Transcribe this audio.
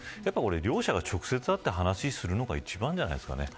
両者が直接会って話するのが一番じゃないですかね。